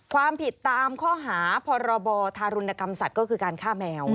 ความผิดตามข้อหาพรบธารุณกรรมสัตว์ก็คือการฆ่าแมว